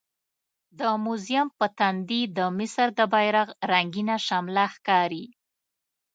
د موزیم په تندي د مصر د بیرغ رنګینه شمله ښکاري.